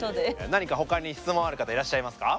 何か他に質問ある方いらっしゃいますか？